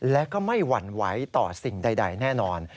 และก็ไม่หวั่นไหวต่อสิ่งใดแน่นอน